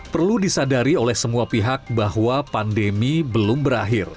perlu disadari oleh semua pihak bahwa pandemi belum berakhir